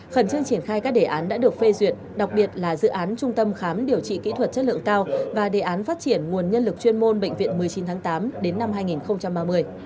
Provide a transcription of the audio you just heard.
khẩn trương triển khai các đề án đã được phê duyệt đặc biệt là dự án trung tâm khám điều trị kỹ thuật chất lượng cao và đề án phát triển nguồn nhân lực chuyên môn bệnh viện một mươi chín tháng tám đến năm hai nghìn ba mươi